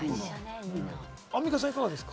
アンミカさんいかがですか？